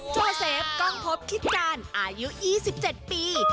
โจเซฟกล้องพบคิดการอายุ๒๗ปี